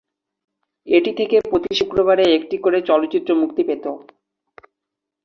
এটি থেকে প্রতি শুক্রবারে একটি করে চলচ্চিত্র মুক্তি পেত।